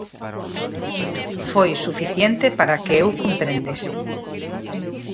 Foi suficiente para que eu comprendese: